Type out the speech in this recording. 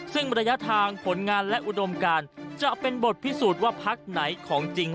ซึ่งระยะทางผลงานและอุดมการจะเป็นบทพิสูจน์ว่าพักไหนของจริง